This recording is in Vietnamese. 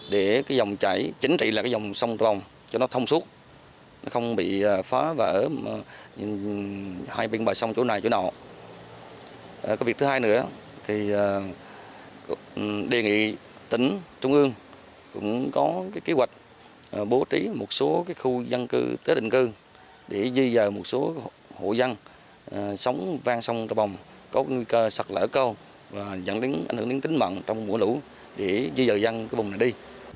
đề nghị tỉnh trung ương cũng có kế hoạch bố trí một số khu dân cư tới định cư để dư dờ một số hộ dân sống vang sông trà bồng có nguy cơ sạt lở cao và dẫn đến ảnh hưởng đến tính mạng trong mùa lũ để dư dờ dân cái vùng này đi